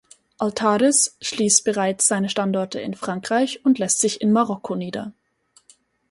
Altadis schließt bereits seine Standorte in Frankreich und lässt sich in Marokko nieder.